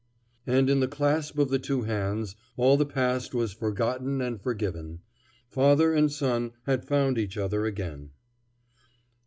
And in the clasp of the two hands all the past was forgotten and forgiven. Father and son had found each other again.